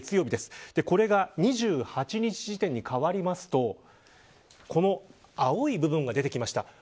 これが２８日時点に変わりますとこの青い部分が出てきました。